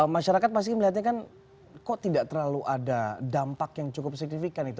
masyarakat pasti melihatnya kan kok tidak terlalu ada dampak yang cukup signifikan itu